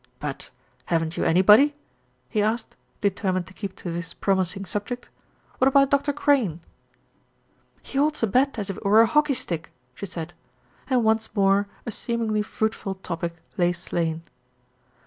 "But haven't you anybody?" he asked, determined to keep to this promising subject. "What about Dr. Crane?" "He holds a bat as if it were a hockey stick," she said, and once more a seemingly fruitful topic lay slain.